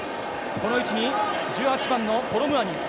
この位置に１８番のコロムアニ。